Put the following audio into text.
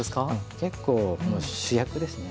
結構主役ですね